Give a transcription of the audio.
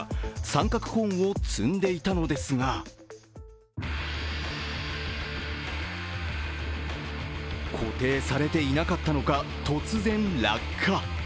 三角コーンを積んでいたのですが固定されていなかったのか、突然落下。